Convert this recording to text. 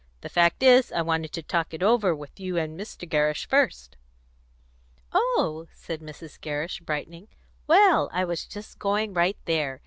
"The fact is, I wanted to talk it over with you and Mr. Gerrish first." "Oh!" said Mrs. Gerrish, brightening. "Well, I was just going right there.